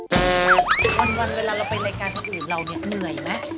วันเวลาเราไปรายการที่อื่นเราเนี่ยเหนื่อยมั้ย